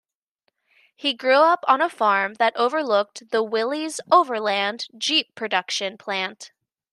He grew up on a farm that overlooked the Willys-Overland Jeep production plant.